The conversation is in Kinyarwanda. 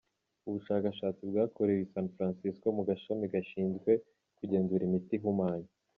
Ubushakashatsi bwakorewe i San Francisco mu gashami gashyinzwe kugenzura imiti ihumanya.